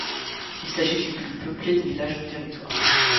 Il s'agit du plus peuplé des villages du territoire.